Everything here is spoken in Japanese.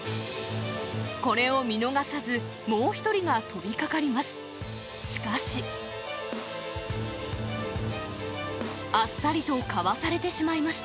これを見逃さず、もう１人が飛びかかります。